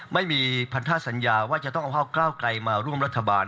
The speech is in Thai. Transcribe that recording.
ไม่มีพันธาสัญญาว่าจะต้องเอาภาคเก้าไกลมาร่วมรัฐบาล